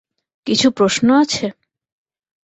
কিছু প্রশ্ন আছে?